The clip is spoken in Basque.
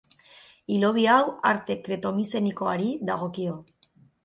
Hilobi hau, arte kreto-mizenikoari dagokio.